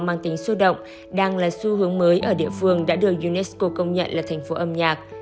mang tính sôi động đang là xu hướng mới ở địa phương đã được unesco công nhận là thành phố âm nhạc